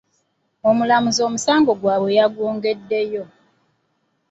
Omulamuzi omusango gwabwe yagwongeddeyo .